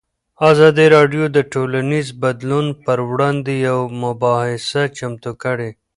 ازادي راډیو د ټولنیز بدلون پر وړاندې یوه مباحثه چمتو کړې.